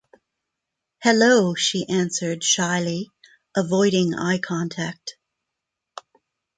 “Hello,” she answered shyly, avoiding eye contact.